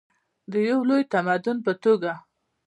د یو لوی تمدن په توګه.